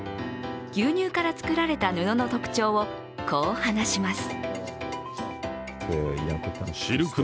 牛乳から作られた布の特徴をこう話します。